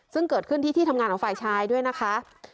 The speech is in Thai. ซึ่งเกิดขึ้นที่ที่ทำงานของฝ่ายชายด้วยนะคะ